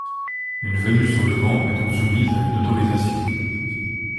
Une venue sur le banc est donc soumise à une autorisation.